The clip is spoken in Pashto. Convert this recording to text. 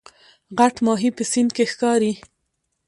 غټ ماهی په سیند کې ښکاري